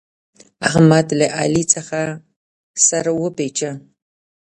احمد له علي څخه سر وپېچه.